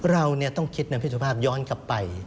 เราต้องคิดนะพี่สุภาพย้อนกลับไป